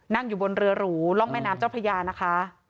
นั่งอยู่บนเรือหรูร่องแม่น้ำเจ้าพระยานะคะ